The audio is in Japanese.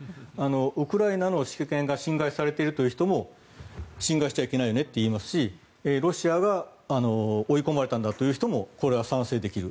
ウクライナの主権が侵害されているという人も侵害しちゃいけないよねって言いますしロシアが追い込まれたんだという人もこれは賛成できる。